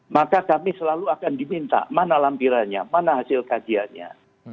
maka kami selalu akan diminta mana lampirannya mana hasil kajiannya